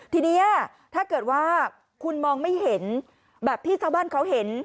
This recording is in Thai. ทีนี้ถ้าเกิดว่าคุณมองไม่เห็นแบบที่ชาวบ้านเขาเห็น